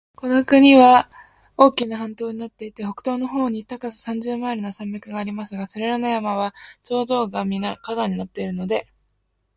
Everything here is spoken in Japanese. この国は大きな半島になっていて、北東の方に高さ三十マイルの山脈がありますが、それらの山は頂上がみな火山になっているので、